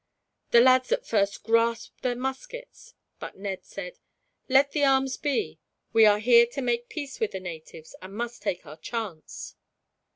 The lads at first grasped their muskets, but Ned said: "Let the arms be. We are here to make peace with the natives, and must take our chance."